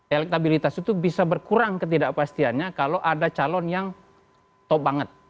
elektabilitas itu bisa berkurang ketidakpastiannya kalau ada calon yang top banget